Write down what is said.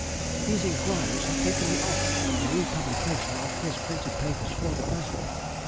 These inquiries have taken me off the republication of his printed papers for the present.